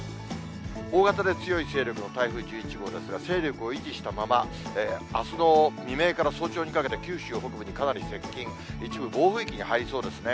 大型で強い勢力の台風１１号ですが、勢力を維持したまま、あすの未明から早朝にかけて九州北部にかなり接近、一部、暴風域に入りそうですね。